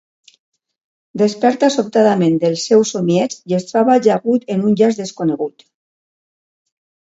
Desperta sobtadament del seu somieig i es troba ajagut en un jaç desconegut.